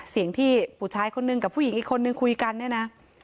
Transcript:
เสียงที่ผู้ชายคนนึงกับผู้หญิงอีกคนนึงคุยกันเนี่ยนะ